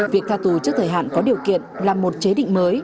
việc tha tù trước thời hạn có điều kiện là một chế định mới